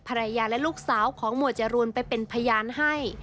ภรรยาและลูกสาวของหมวดจรูนไปเป็นพยานให้